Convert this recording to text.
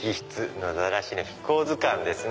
野ざらし紀行図巻」ですね。